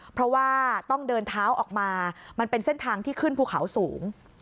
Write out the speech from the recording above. เพราะว่าต้องเดินเท้าออกมามันเป็นเส้นทางที่ขึ้นภูเขาสูง